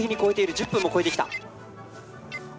１０分も超えてきた。